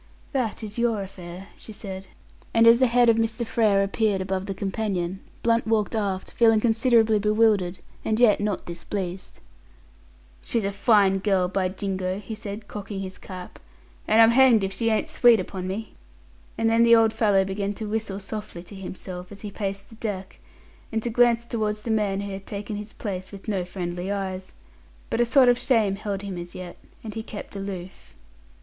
"That is your affair," she said; and as the head of Mr. Frere appeared above the companion, Blunt walked aft, feeling considerably bewildered, and yet not displeased. "She's a fine girl, by jingo," he said, cocking his cap, "and I'm hanged if she ain't sweet upon me." And then the old fellow began to whistle softly to himself as he paced the deck, and to glance towards the man who had taken his place with no friendly eyes. But a sort of shame held him as yet, and he kept aloof.